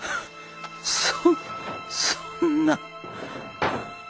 そそんな。